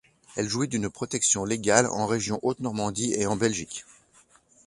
Elle jouit d'une protection légale en région Haute-Normandie et en Belgique.